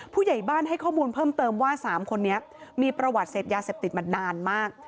ผู้ใหญ่บ้านให้ข้อมูลเพิ่มเติมว่า๓คนนี้มีประวัติเสพยาเสพติดมานานมาก